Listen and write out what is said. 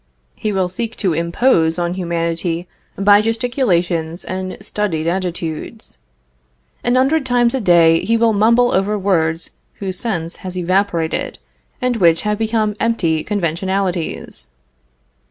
He will seek to impose on humanity by gesticulations and studied attitudes; an hundred times a day he will mumble over words whose sense has evaporated and which have become empty conventionalities.